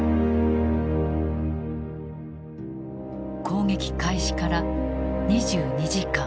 攻撃開始から２２時間。